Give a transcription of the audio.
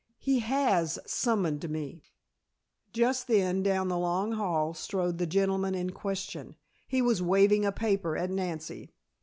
He has summoned me " Just then, down the long hall strode the gentleman in question. He was waving a paper at Nancy.